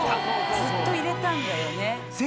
ずっといられたんだよね。